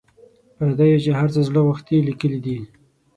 پردیو چي هر څه زړه غوښتي لیکلي دي.